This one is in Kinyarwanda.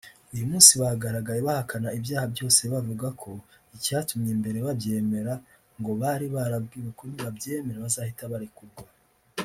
uyu munsi bagaragaye bahakana ibyaha byose bavuga ko icyatumye mbere babyemera ngo bari barabwiwe ko nibabyemera bazahita barekurwa